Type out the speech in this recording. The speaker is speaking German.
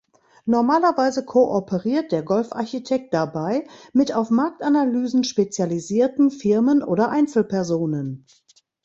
Normalerweise kooperiert der Golfarchitekt dabei mit auf Marktanalysen spezialisierten Firmen oder Einzelpersonen.